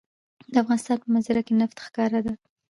د افغانستان په منظره کې نفت ښکاره ده.